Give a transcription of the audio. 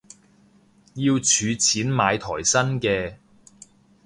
要儲錢買台新嘅